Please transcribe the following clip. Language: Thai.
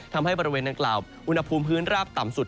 ทำให้บริเวณดังกล่าวอุณหภูมิพื้นราบต่ำสุด